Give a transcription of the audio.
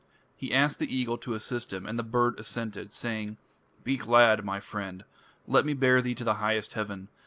He asked the Eagle to assist him, and the bird assented, saying: "Be glad, my friend. Let me bear thee to the highest heaven.